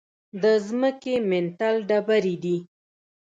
د ځمکې منتل ډبرې دي.